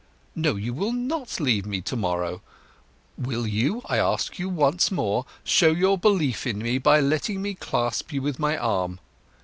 "No, you will not leave me to morrow! Will you, I ask once more, show your belief in me by letting me clasp you with my arm?